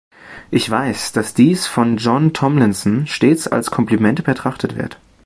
Ich weiß, dass dies von John Tomlinson stets als Kompliment betrachtet wird.